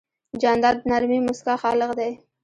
جانداد د نرمې موسکا خالق دی.